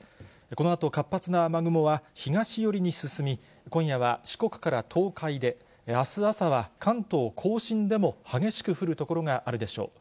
このあと活発な雨雲は、東寄りに進み、今夜は四国から東海で、あす朝は関東甲信でも激しく降る所があるでしょう。